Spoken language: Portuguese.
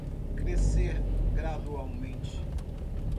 Crescer gradualmente